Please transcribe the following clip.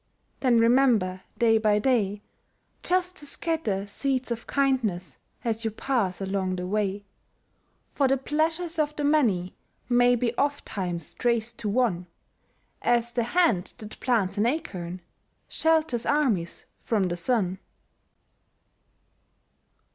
Then remember day by day Just to scatter seeds of kindness As you pass along the way; For the pleasures of the many May be ofttimes traced to one, As the hand that plants an acorn Shelters armies from the sun.